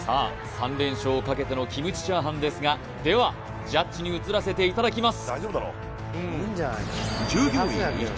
３連勝をかけてのキムチ炒飯ですがではジャッジに移らせていただきます